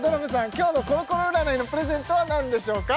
今日のコロコロ占いのプレゼントは何でしょうか？